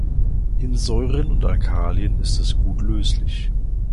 In Säuren und Alkalien ist es gut löslich.